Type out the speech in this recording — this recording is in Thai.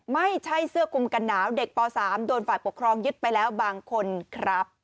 ไม่ใช่เสื้อคุมกันหนาวเด็กป๓โดนฝ่ายปกครองยึดไปแล้วบางคนครับ